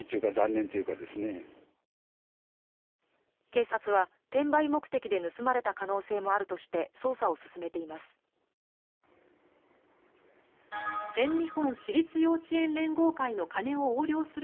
警察は転売目的で盗まれた可能性もあるとして捜査を進めています。